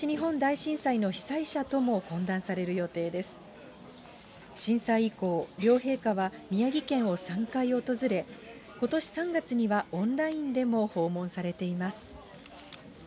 震災以降、両陛下は宮城県を３回訪れ、ことし３月にはオンラインでも訪問されています。